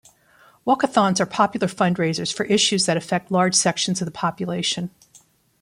Walkathons are popular fundraisers for issues that affect large sections of the population.